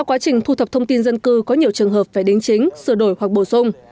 trong quá trình thu thập thông tin dân cư có nhiều trường hợp phải đính chính sửa đổi hoặc bổ sung